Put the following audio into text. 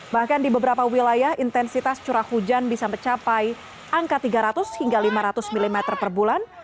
bahkan di beberapa wilayah intensitas curah hujan bisa mencapai angka tiga ratus hingga lima ratus mm per bulan